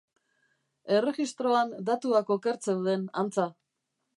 Erregistroan datuak oker zeuden, antza.